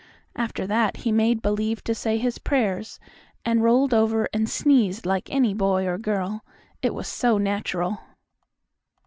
After that he made believe to say his prayers, and rolled over and sneezed like any boy or girl, it was so natural.